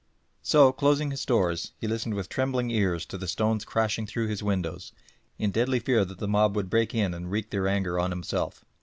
So, closing his doors, he listened with trembling ears to the stones crashing through his windows, in deadly fear that the mob would break in and wreak their anger on himself.